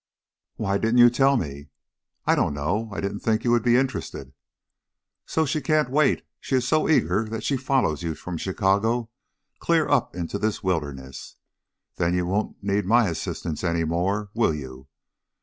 "Why didn't you tell me?" "I don't know, I didn't think you would be interested." "So she can't wait? She is so eager that she follows you from Chicago clear up into this wilderness. Then you won't need my assistance any more, will you?"